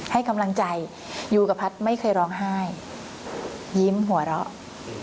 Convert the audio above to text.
ให้กำลังใจยูกับพัฒน์ไม่เคยร้องไห้ยิ้มหัวเราะ